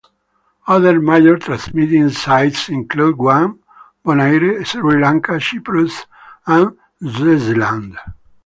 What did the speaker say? Other major transmitting sites include Guam, Bonaire, Sri Lanka, Cyprus, and Swaziland.